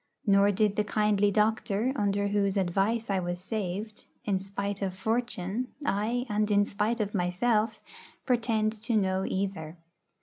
Nor did the kindly doctor, under whose advice I was saved, 'in spite of fortune,' ay, and in spite of myself, pretend to know either.